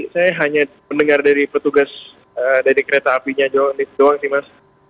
saya hanya mendengar dari petugas dari kereta apinya doang sih mas